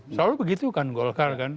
selalu begitu kan golkar kan